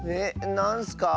なんすか？